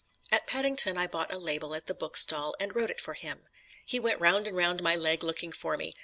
At Paddington I bought a label at the book stall and wrote it for him. He went round and round my leg looking for me.